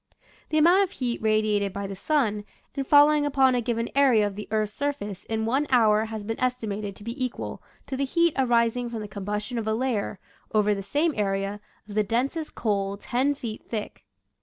The amount of heat radiated by the sun and falling upon a given area of the earth's surface in one hour has been estimated to be equal to the heat arising from the combustion of a layer, over the same area, of the densest coal ten feet thick.